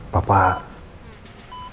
bagaimana keadaan pak